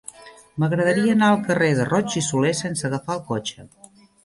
M'agradaria anar al carrer de Roig i Solé sense agafar el cotxe.